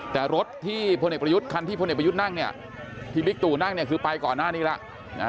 แต่รถที่พลเอกประยุทธ์คันที่พลเอกประยุทธ์นั่งเนี่ยที่บิ๊กตู่นั่งเนี่ยคือไปก่อนหน้านี้แล้ว